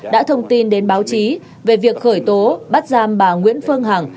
đã thông tin đến báo chí về việc khởi tố bắt giam bà nguyễn phương hằng